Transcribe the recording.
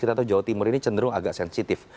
kita tahu jawa timur ini cenderung agak sensitif